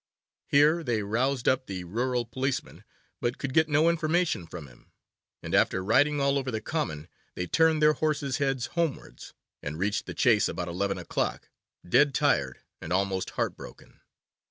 Here they roused up the rural policeman, but could get no information from him, and, after riding all over the common, they turned their horses' heads homewards, and reached the Chase about eleven o'clock, dead tired and almost heart broken.